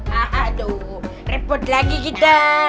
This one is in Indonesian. hahaduh repot lagi kita